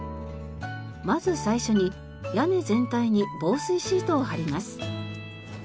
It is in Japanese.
まず最初に屋根全体に防水シートを貼ります。